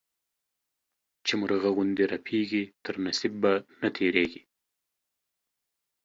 چي مرغه غوندي رپېږي، تر نصيب به نه تيرېږې.